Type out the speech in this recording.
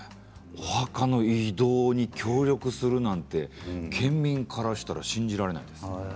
お墓の移動に協力するなんて県民からしたら信じられないですよ。